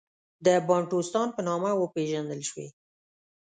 د بانټوستان په نامه وپېژندل شوې.